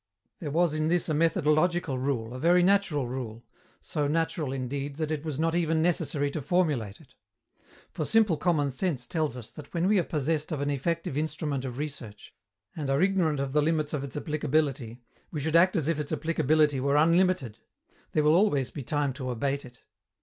There was in this a methodological rule, a very natural rule so natural, indeed, that it was not even necessary to formulate it. For simple common sense tells us that when we are possessed of an effective instrument of research, and are ignorant of the limits of its applicability, we should act as if its applicability were unlimited; there will always be time to abate it.